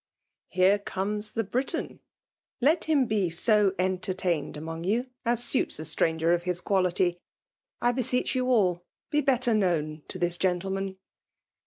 Here comes the Briton. — ^Let him be so entertained among you as suits a stranger of his qualitj. I beseech you all, be better known to this gentleman.